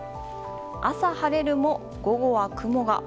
朝晴れるも、午後は雲が。